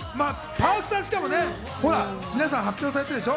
Ｐａｒｋさん、しかも皆さんも発表されてるでしょ？